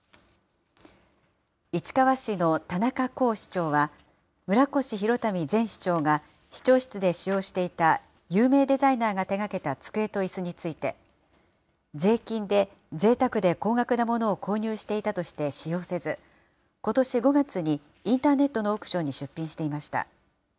市川市の田中甲市長は、村越祐民前市長が市長室で使用していた有名デザイナーが手がけた机といすについて、税金でぜいたくで高額なものを購入していたとして使用せず、ことし５月にインターネットのオークションに出品していました。